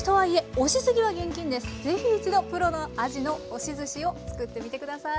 ぜひ一度プロのあじの押しずしを作ってみてください。